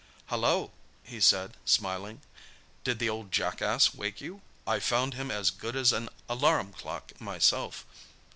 "Hallo!" he said, smiling, "did the old jackass wake you? I found him as good as an alarum clock myself.